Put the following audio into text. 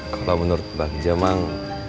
kalau menurut bagja bang